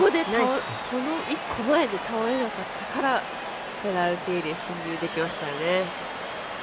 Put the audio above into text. この１個前で倒れなかったからペナルティーエリア進入できましたね。